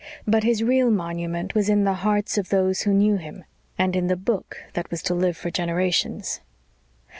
But his real monument was in the hearts of those who knew him, and in the book that was to live for generations.